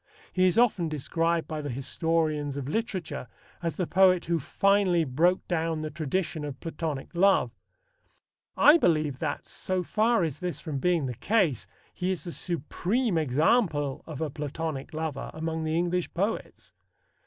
He is often described by the historians of literature as the poet who finally broke down the tradition of Platonic love. I believe that, so far is this from being the case, he is the supreme example of a Platonic lover among the English poets.